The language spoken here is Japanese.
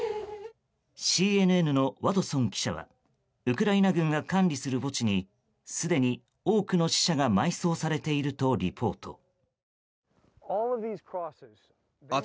ＣＮＮのワトソン記者はウクライナ軍が管理する墓地にすでに多くの死者が埋葬されているとリポート。